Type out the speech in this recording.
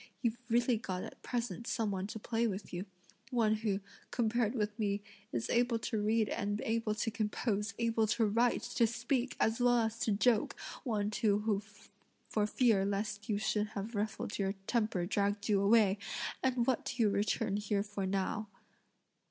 You've really got at present some one to play with you, one who, compared with me, is able to read and able to compose, able to write, to speak, as well as to joke, one too who for fear lest you should have ruffled your temper dragged you away: and what do you return here for now?"